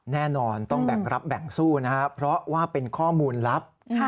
แน่นอนต้องแบ่งรับแบ่งสู้นะครับเพราะว่าเป็นข้อมูลลับ